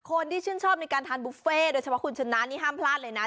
คนที่ชื่นชอบในการทานบุฟเฟ่โดยเฉพาะคุณชนะนี่ห้ามพลาดเลยนะ